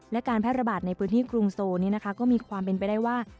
และการแพร่ระบาดในพื้นที่กรุงโซก็มีความเป็นไปได้ว่า